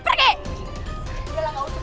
pergi dari sini